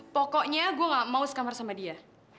pokoknya gue gak mau sekammer sama dia